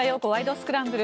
スクランブル」。